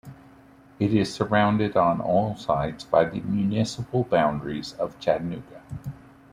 It is surrounded on all sides by the municipal boundaries of Chattanooga.